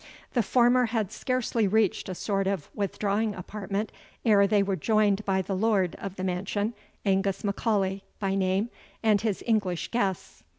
The former had scarcely reached a sort of withdrawing apartment ere they were joined by the lord of the mansion, Angus M'Aulay by name, and his English guests.